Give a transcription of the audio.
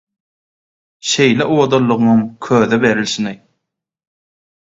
Şeýle owadanlygyňam köze berilşini.